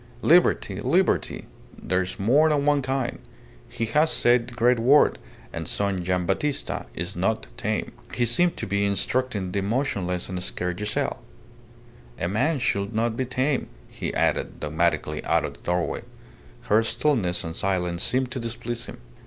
Liberty, liberty. There's more than one kind! He has said the great word, and son Gian' Battista is not tame." He seemed to be instructing the motionless and scared Giselle. ... "A man should not be tame," he added, dogmatically out of the doorway. Her stillness and silence seemed to displease him.